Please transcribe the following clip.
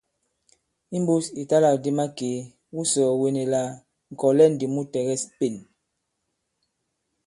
Imbūs ìtalâkdi makèe , wu sɔ̀ɔ̀wene la ŋ̀kɔ̀lɛ ndī mu tɛ̀gɛs Pên.